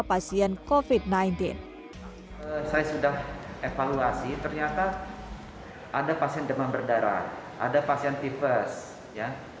pasien kofit sembilan belas saya sudah evaluasi ternyata ada pasien demam berdarah ada pasien tipes ya